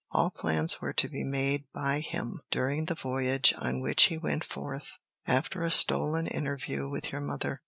All plans were to be made by him during the voyage on which he went forth, after a stolen interview with your mother.